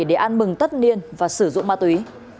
để an mừng tất niên và sử dụng ma túy